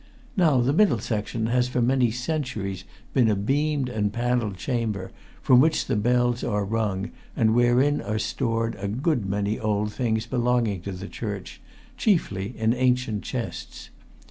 Now the middle section has for many centuries been a beamed and panelled chamber, from which the bells are rung, and wherein are stored a good many old things belonging to the church chiefly in ancient chests.